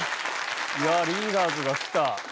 いやリーダーズが来た。